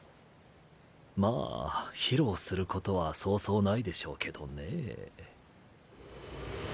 まあ披露することはそうそうないでしょうけどね。